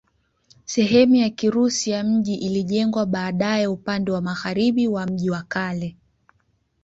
Sehemu ya Kirusi ya mji ilijengwa baadaye upande wa magharibi wa mji wa kale.